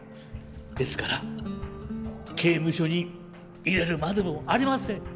ですから刑務所に入れるまでもありません。